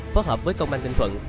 phối hợp với công an ninh thuận